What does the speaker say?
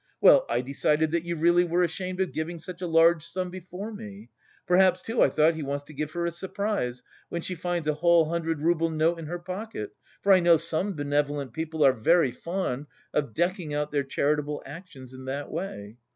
Well, I decided that you really were ashamed of giving such a large sum before me. Perhaps, too, I thought, he wants to give her a surprise, when she finds a whole hundred rouble note in her pocket. (For I know, some benevolent people are very fond of decking out their charitable actions in that way.)